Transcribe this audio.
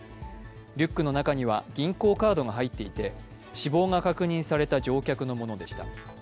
リュックの中には銀行カードが入っていて死亡が確認された乗客のものでした。